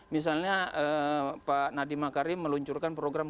misalnya pak nadiemah karim meluncurkan program